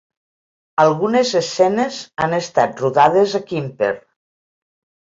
Algunes escenes han estat rodades a Quimper.